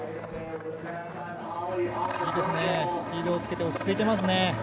いいですね、スピードをつけて、落ち着いてますね。